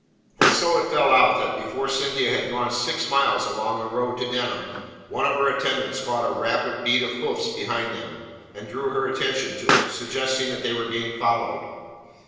And so it fell out that before Cynthia had gone six miles along the road to Denham, one of her attendants caught a rapid beat of hoofs behind them, and drew her attention to it, suggesting that they were being followed.